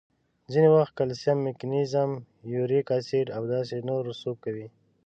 ځینې وخت کلسیم، مګنیزیم، یوریک اسید او داسې نور رسوب کوي.